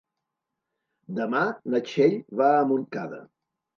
Demà na Txell va a Montcada.